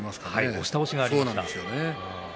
押し倒しがありました。